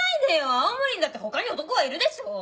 青森にだって他に男はいるでしょ。